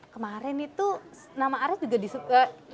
kemarin itu nama arak juga disubuhkan